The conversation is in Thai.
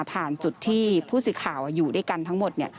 จุดที่ผู้สื่อข่าวอยู่ด้วยกันทั้งหมด